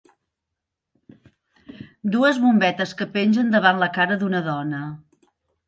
Dues bombetes que pengen davant la cara d'una dona.